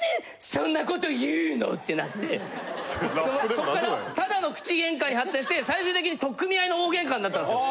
そっからただの口喧嘩に発展して最終的に取っ組み合いの大ゲンカになったんですよ。